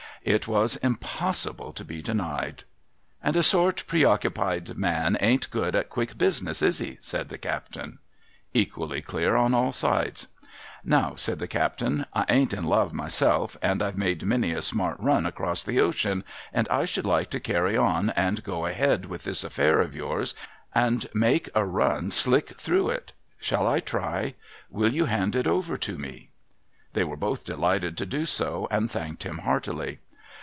It was impossible to be denied. 'And a sort preoccupied man ain't good at quick business, is he ?' said the captain. lujually clear on all sides. ' Now,' said the captain, ' I ain't in love myself, and I've made many a smart run across the ocean, and I should like to carry on and go ahead with this affair of yours and make a run slick through it. Shall I try ? ^^■ill you hand it over to me ?' They were both delighted to do so, and thanked him heartily.